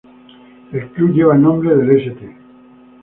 El Club lleva el nombre del St.